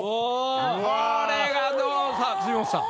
これがどうさぁ辻元さん